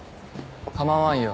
構わんよ